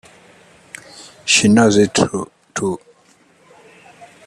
She knows it too!